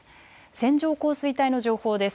線状降水帯の情報です。